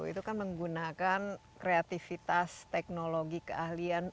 itu kan menggunakan kreativitas teknologi keahlian